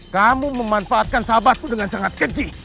kamu memanfaatkan sahabatku dengan sangat keji